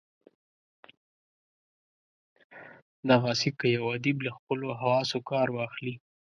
دغسي که یو ادیب له خپلو حواسو کار واخلي.